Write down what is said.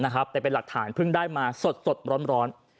แต่เป็นหลักฐานเพิ่งได้มาสดร้อน